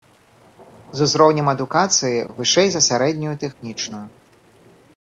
З узроўнем адукацыі вышэй за сярэднюю тэхнічную.